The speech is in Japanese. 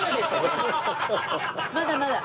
まだまだ。